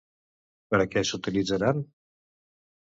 Per a què s'utilitzaran?